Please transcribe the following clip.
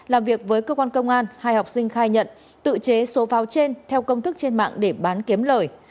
làm việc với cơ quan công an hai học sinh khai nhận tự chế số pháo trên theo công thức trên mạng để bán kiếm lời